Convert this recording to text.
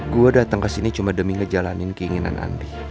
gue dateng kesini cuma demi ngejalanin keinginan andi